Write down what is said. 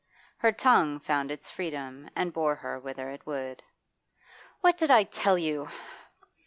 Her tongue found its freedom and bore her whither it would. 'What did I tell you?